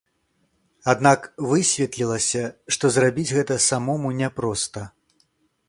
Аднак высветлілася, што зрабіць гэта самому не проста.